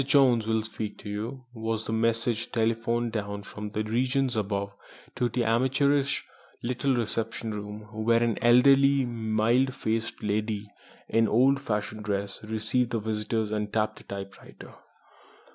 Jones will speak to you," was the message telephoned down from regions above to the amateurish little reception room, where an elderly, mild faced lady in old fashioned dress received visitors and tapped a typewriter.